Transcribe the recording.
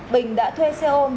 bình đã thuê xe ôn